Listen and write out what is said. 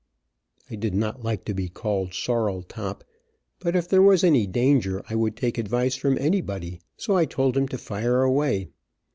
I did not like to be called sorrel top, but if there was any danger I would take advice from anybody, so I told him to fire away.